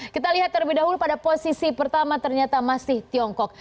kita lihat terlebih dahulu pada posisi pertama ternyata masih tiongkok